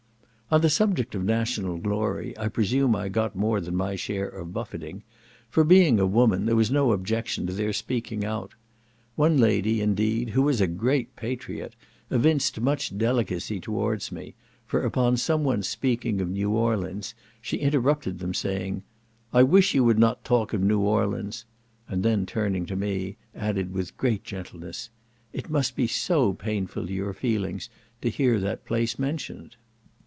On the subject of national glory, I presume I got more than my share of buffeting; for being a woman, there was no objection to their speaking out. One lady, indeed, who was a great patriot, evinced much delicacy towards me, for upon some one speaking of New Orleans, she interrupted them, saying, "I wish you would not talk of New Orleans;" and, turning to me, added with great gentleness, "It must be so painful to your feelings to hear that place mentioned!"